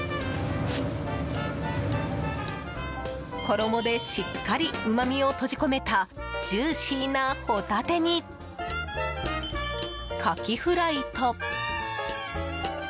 衣でしっかりうまみを閉じ込めたジューシーなホタテにカキフライと。